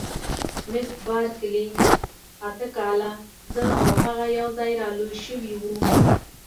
مس بارکلي: اته کاله، زه او هغه یوځای را لوي شوي وو.